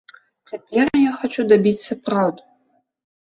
Цяпер я хачу дабіцца праўду.